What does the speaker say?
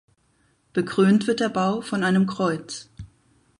Bekrönt wird der Bau von einem Kreuz.